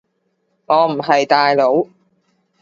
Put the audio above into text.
我唔係大佬